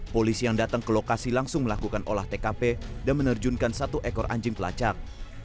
polisi yang datang ke lokasi langsung melakukan olah tkp dan menerjunkan satu ekor anjing pelacak